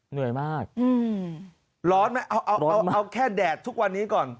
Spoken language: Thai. เหนื่อยมากร้อนไหมเอาเอาแค่แดดทุกวันนี้ก่อน